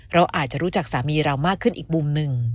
เราอาจจะรู้จักสามีเรามากขึ้นอีกมุมหนึ่ง